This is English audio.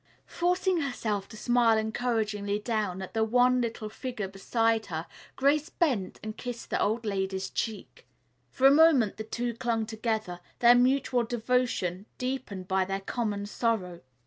Forcing herself to smile encouragingly down at the wan little figure beside her, Grace bent and kissed the old lady's cheek. For a moment the two clung together, their mutual devotion deepened by their common sorrow.